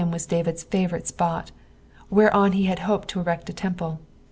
David's ipot, whereon he nod hoped to erect a temple.